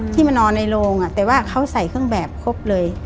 มานอนในโรงแต่ว่าเขาใส่เครื่องแบบครบเลย